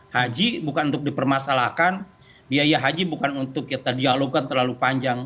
haji bukan untuk dipermasalahkan biaya haji bukan untuk kita dialogkan terlalu panjang